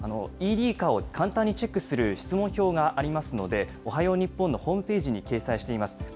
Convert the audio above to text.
ＥＤかを簡単にチェックする質問票がありますので、おはよう日本のホームページに掲載しています。